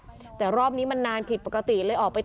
แต่รอบนี้มันนานผิดปกติเลยออกไป